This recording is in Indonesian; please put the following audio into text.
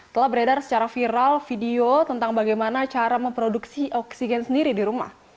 telah beredar secara viral video tentang bagaimana cara memproduksi oksigen sendiri di rumah